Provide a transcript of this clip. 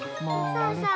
そうそう。